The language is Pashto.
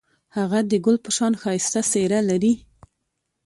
هغه د ګل په شان ښایسته څېره لري.